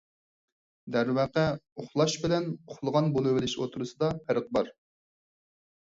دەرۋەقە، ئۇخلاش بىلەن ئۇخلىغان بولۇۋېلىش ئوتتۇرىسىدا پەرق بار.